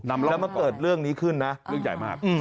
แล้วมาเกิดเรื่องนี้ขึ้นนะเรื่องใหญ่มาก